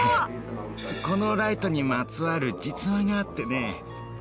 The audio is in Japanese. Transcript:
このライトにまつわる実話があってね